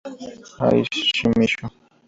Ai Shimizu